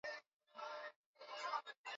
Wanaomba kwa unyenyekevu